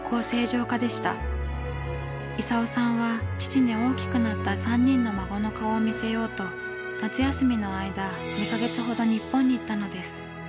功さんは父に大きくなった３人の孫の顔を見せようと夏休みの間２か月ほど日本に行ったのです。